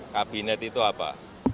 kabinet itu apa